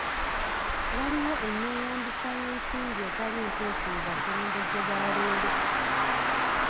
Waliwo enneeyambisa y'ensimbi etali ntuufu mu bakulembeze ba leero.